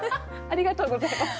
ありがとうございます。